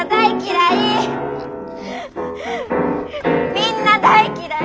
みんな大嫌い！